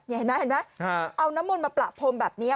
เห็นไหมเอาน้ำมนต์มาปละพรมแบบนี้